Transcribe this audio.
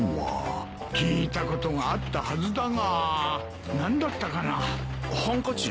聞いたことがあったはずだが何だったかな？